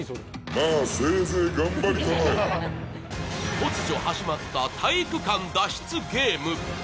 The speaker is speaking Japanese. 突如始まった体育館脱出ゲーム。